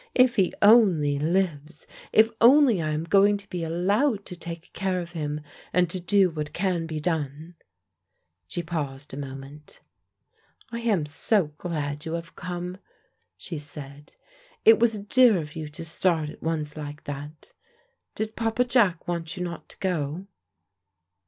"If he only lives, if only I am going to be allowed to take care of him, and to do what can be done." She paused a moment. "I am so glad you have come," she said; "it was dear of you to start at once like that. Did Papa Jack want you not to go?"